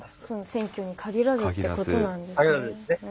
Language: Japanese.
選挙に限らずってことなんですね。